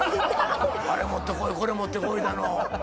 あれ持って来いこれ持って来いだの。